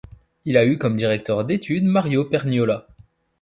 Il a eu comme directeur d'études Mario Perniola.